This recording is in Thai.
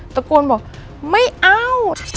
ตะโกนบอกไม่เอา